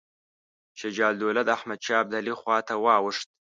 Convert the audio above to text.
شجاع الدوله د احمدشاه ابدالي خواته واوښت.